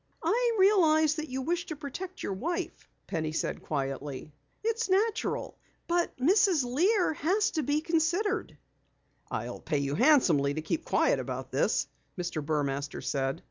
"I realize that you wish to protect your wife," Penny said quietly. "It's natural. But Mrs. Lear has to be considered." "I'll pay you handsomely to keep quiet about this," Mr. Burmaster said.